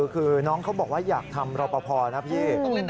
คือน้องเขาบอกว่าอยากทำรอปภนะพี่